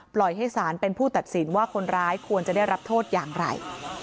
ปล่อยให้สารเป็นผู้ตัดสินว่าคนร้ายควรจะได้รับโทษอย่างไร